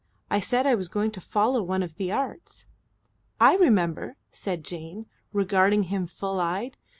I said I was going to follow one of the Arts." "I remember," said Jane, regarding him full eyed.